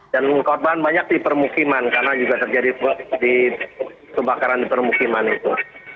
dan korban banyak di permukiman karena juga terjadi kebakaran di permukiman itu